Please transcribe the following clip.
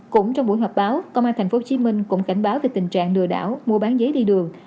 cũng trong buổi họp báo công an tp hcm cũng cảnh báo về tình trạng lừa đảo mua bán giấy đi đường